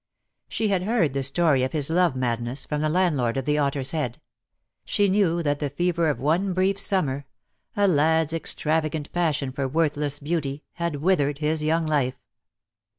She had heard the story of his love madness, from the landlord of the "Otter's Head." She knew that the fever of one brief summer — a lad's extravagant passion for worthless beauty — had withered his young life.